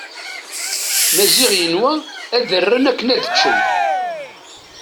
Maziɣ yenwa ad rren akken ad ččen.